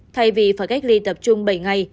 thay vì phải cách ly tập trung bảy ngày